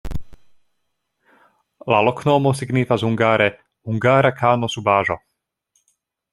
La loknomo signifas hungare: hungara-kano-subaĵo.